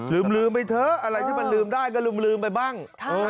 ลืมไปเถอะอะไรที่มันลืมได้ก็ลืมไปบ้าง